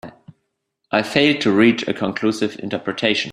I failed to reach a conclusive interpretation.